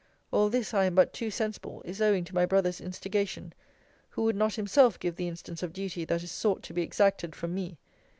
All this, I am but too sensible, is owing to my brother's instigation; who would not himself give the instance of duty that is sought to be exacted from me.